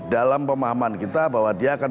dalam pemahaman kita bahwa dia akan